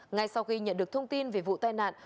ngay sau khi nhận được thông tin về vụ tai nạn